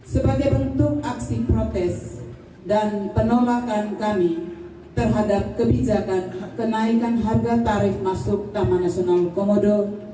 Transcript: sebagai bentuk aksi protes dan penolakan kami terhadap kebijakan kenaikan harga tarif masuk taman nasional komodo